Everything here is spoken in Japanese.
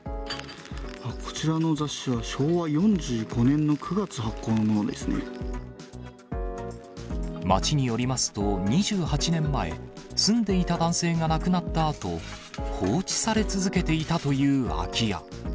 こちらの雑誌は、昭和４５年町によりますと、２８年前、住んでいた男性が亡くなったあと、放置され続けていたという空き家。